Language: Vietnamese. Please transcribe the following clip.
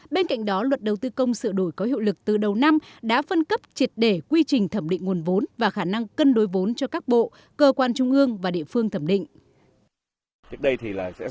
bên cạnh đó luật đầu tư công sửa đổi có hiệu lực từ đầu năm đã phân cấp triệt để quy trình thẩm định nguồn vốn và khả năng cân đối vốn cho các bộ cơ quan trung ương và địa phương thẩm định